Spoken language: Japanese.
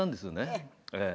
ええ。